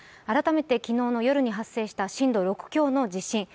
改めて昨日の夜に発生した震度６強の地震。